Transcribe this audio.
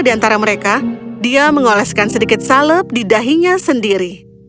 dia mengoleskan sedikit salep di dahinya sendiri